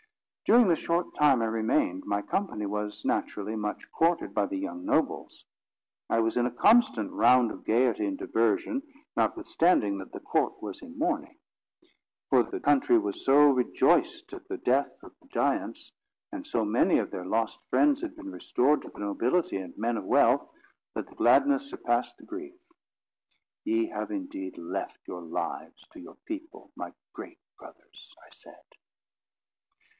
During the short time I remained, my company was, naturally, much courted by the young nobles. I was in a constant round of gaiety and diversion, notwithstanding that the court was in mourning. For the country was so rejoiced at the death of the giants, and so many of their lost friends had been restored to the nobility and men of wealth, that the gladness surpassed the grief. "Ye have indeed left your lives to your people, my great brothers!" I said.